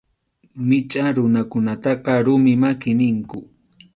Michʼa runakunataqa rumi maki ninku.